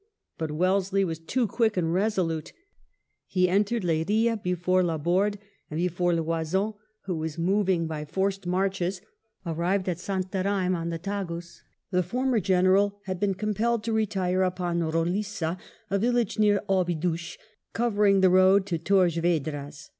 But Wellesley was too quick and resolute. He entered Leiria before Laborde ; and before Loison, who was moving by 98 WELLINGTON chap. forced marches, arrived at Santarem on the Tagus, the former General had been compelled to retire upon Roli9a, a village near Obidos, covering the road to Torres Vedras.